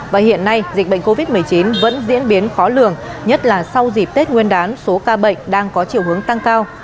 và hiện nay dịch bệnh covid một mươi chín vẫn diễn biến khó lường nhất là sau dịp tết nguyên đán số ca bệnh đang có chiều hướng tăng cao